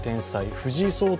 藤井聡太